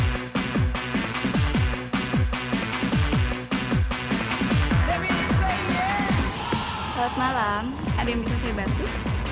selamat malam ada yang bisa saya bantu